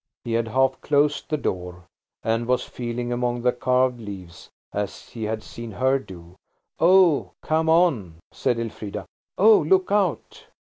He had half closed the door, and was feeling among the carved leaves, as he had seen her do. "Oh, come on," said Elfrida, "oh, look out!"